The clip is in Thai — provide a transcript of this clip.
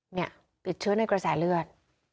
เนี่ยติดเชื้อในกระแสเลือด